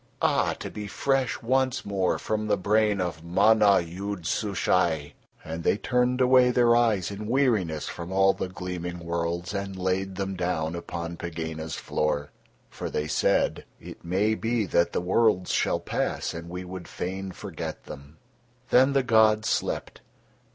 Ah! to be fresh once more from the brain of Mana Yood Sushai." And They turned away Their eyes in weariness from all the gleaming worlds and laid Them down upon Pegāna's floor, for They said: "It may be that the worlds shall pass and we would fain forget them." Then the gods slept.